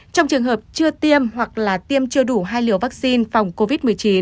trong trường hợp chưa tiêm hoặc là tiêm chưa đủ hai liều vaccine phòng covid một mươi chín